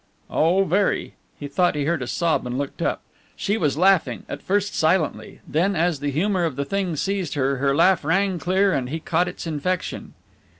"Oh, very." He thought he heard a sob and looked up. She was laughing, at first silently, then, as the humour of the thing seized her, her laugh rang clear and he caught its infection.